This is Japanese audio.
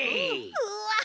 うわ。